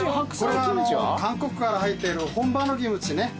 これは韓国から入ってる本場のキムチね。